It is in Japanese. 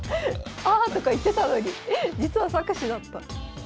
「あ！」とか言ってたのに実は策士だった。